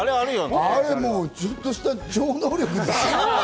あれ、ちょっとした超能力ですよ。